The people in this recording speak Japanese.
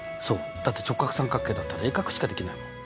だって直角三角形だったら鋭角しかできないもん。